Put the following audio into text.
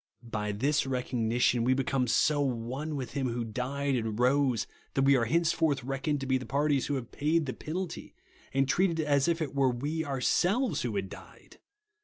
By tliis recogni tion, we become so one with Hirn who died and rose, that we are henceforth reckoned to be the parties who have paid the penahy, and treated as if it were we ourselves who had died.